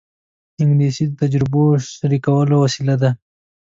انګلیسي د تجربو شریکولو وسیله ده